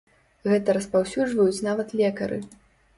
Гэта распаўсюджваюць нават лекары.